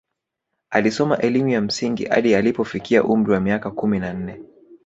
Alisoma elimu ya msingi hadi alipofikia umri wa miaka kumi na nne